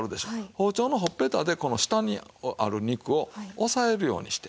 包丁のほっぺたでこの下にある肉を押さえるようにして。